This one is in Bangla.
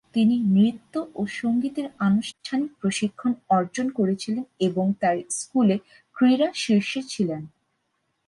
তিনি নৃত্য ও সংগীতের আনুষ্ঠানিক প্রশিক্ষণ অর্জন করেছিলেন এবং তাঁর স্কুলে ক্রীড়া শীর্ষে ছিলেন।